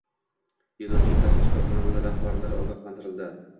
Yo‘lovchi tashish korxonalari rahbarlari ogohlantirildi